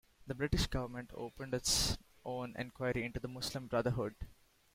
The British government opened its own enquiry into the Muslim Brotherhood.